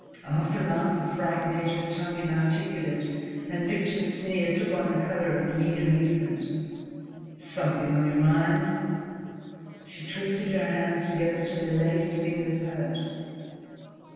Aftermath of fright made her tongue inarticulate; and Victor's sneer took on a colour of mean amusement. "Something on your mind?" She twisted her hands together till the laced fingers hurt.